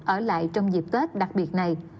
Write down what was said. ở lại trong dịp tết đặc biệt này